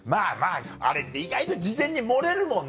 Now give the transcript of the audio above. あれって意外と事前に漏れるもんね。